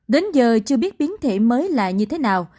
đến giờ chưa biết biến thể mới là như thế nào